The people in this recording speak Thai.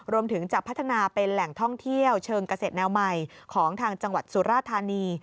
รวมถึงจะพัฒนาเป็นแหล่งท่องเที่ยวเชิงเกษตรแนวใหม่ของทางจังหวัดสุราธานี